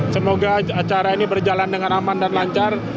semoga acara ini berjalan dengan aman dan lancar